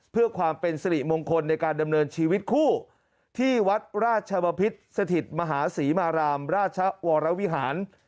เพื่อความเป็นสิริมงคลในการดำเนินชีวิตคู่ที่วัดราชวพิษสถิตมหาศรีมารามราชวรวิหาร